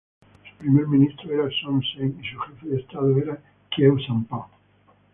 Su Primer ministro era Son Sen, y su jefe de estado era Khieu Samphan.